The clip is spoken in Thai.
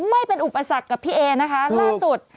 ไม่เป็นอุปสรรคกับพี่เอนะคะล่าสุด